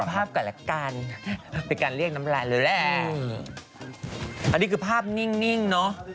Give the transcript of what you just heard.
ดูภาพกันแล้วกันไปกันเรียกน้ำลายเลยแหละอืมอันนี้คือภาพนิ่งนิ่งเนอะ